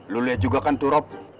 lo lihat juga kan tuh rob